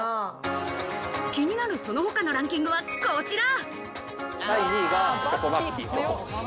気になるその他のランキングはこちら。